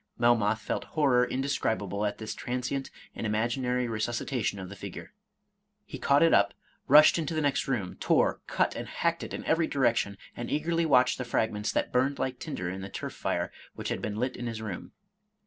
Melmoth felt horror indescrib able at this transient and imaginary resuscitation of the figure. He caught it up, rushed into the next room, tore, cut, and hacked it in every direction, and eagerly watched the fragments that burned like tinder in the turf fire which had been lit in his room.